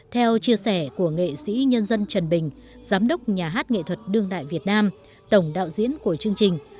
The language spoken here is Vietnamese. theo chia sẻ của nghệ sĩ nhân dân trần bình giám đốc nhà hát nghệ thuật đương đại việt nam tổng đạo diễn của chương trình